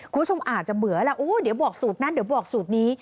คุณผู้ชมอาจจะเบื่อแล้วโอ้เดี๋ยวบอกสูตรนั้นเดี๋ยวบอกสูตรนี้